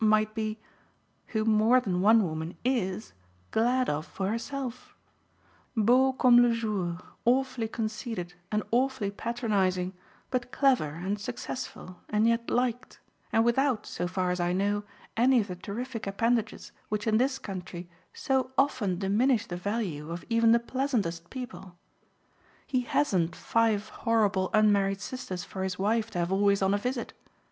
might be whom more than one woman IS glad of for herself: beau comme le jour, awfully conceited and awfully patronising, but clever and successful and yet liked, and without, so far as I know, any of the terrific appendages which in this country so often diminish the value of even the pleasantest people. He hasn't five horrible unmarried sisters for his wife to have always on a visit.